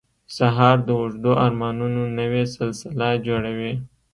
سهار د اوږدو ارمانونو نوې سلسله جوړوي.